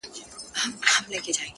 د خېر نه مي توبه ، سپي دي کور کي که!